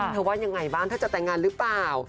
ว่ายังไงบ้างถ้าจะแต่งงานหรือเปล่า